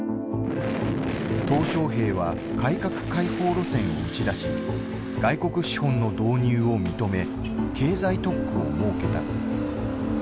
小平は改革開放路線を打ち出し外国資本の導入を認め経済特区を設けた。